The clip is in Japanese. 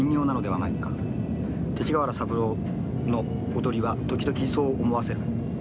勅使川原三郎の踊りは時々そう思わせる。